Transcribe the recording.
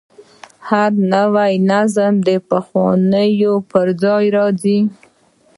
هر نوی نظم د پخواني پر ځای راځي.